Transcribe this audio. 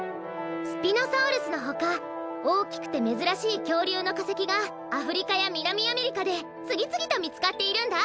スピノサウルスのほかおおきくてめずらしいきょうりゅうのかせきがアフリカやみなみアメリカでつぎつぎとみつかっているんだ！